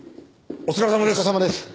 お疲れさまです！